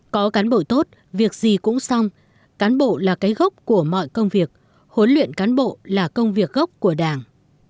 có cán bộ tốt việc gì cũng xong cán bộ là cái gốc của mọi công việc huấn luyện cán bộ là công việc gốc của đảng